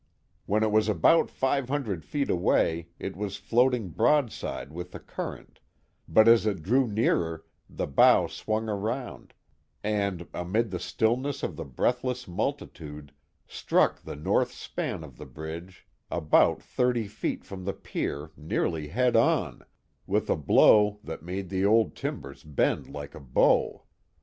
When it was about five hundred feet away it was floating broadside with the current, but as it drew nearer the bow swung around, and, amid the stillness of the breathless multi tude, struck the north span of the bridge about thirty feet 394 The Mohawk Valley from the pier nearly head on, with a blow that made ttie'otS timbers bend like a bow.